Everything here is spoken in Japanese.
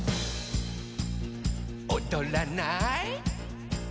「おどらない？」